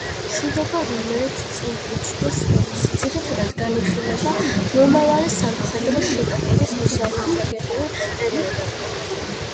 მშვიდობა, რომელიც წინ უძღვის ომს, ძირითადად განიხილება მომავალი სამხედრო შეტაკების მოსამზადებელ პერიოდად.